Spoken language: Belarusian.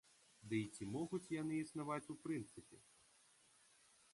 Ды і ці могуць яны існаваць у прынцыпе?